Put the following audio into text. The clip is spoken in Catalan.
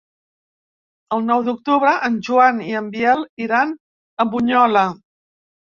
El nou d'octubre en Joan i en Biel iran a Bunyola.